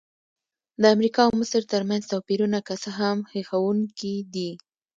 د امریکا او مصر ترمنځ توپیرونه که څه هم هیښوونکي دي.